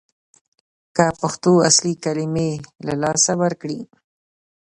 که پښتو اصلي کلمې له لاسه ورکړي